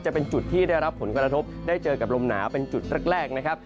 จะเป็นจุดที่ได้รับผลกระทบได้เจอกับลมหนาวเป็นจุดแรกนะครับ